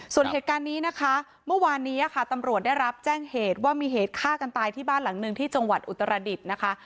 ส่วนเหตุการณ์นี้นะคะเมื่อวานนี้ค่ะตำรวจได้รับแจ้งเหตุว่ามีเหตุฆ่ากันตายที่บ้านหลังหนึ่งที่จังหวัดอุตรดิษฐ์นะคะ